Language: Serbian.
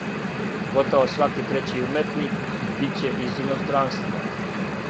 Готово сваки трећи уметник биће из иностранства.